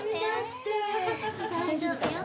大丈夫よ。